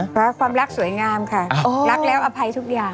เพราะความรักสวยงามค่ะรักแล้วอภัยทุกอย่าง